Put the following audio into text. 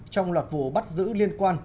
trong loạt vụ bắt giữ liên quan